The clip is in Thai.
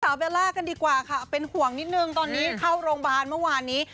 เบลล่ากันดีกว่าค่ะเป็นห่วงนิดนึงตอนนี้เข้าโรงพยาบาลเมื่อวานนี้